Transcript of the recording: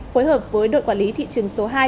phối hợp với đội quản lý thị trường số hai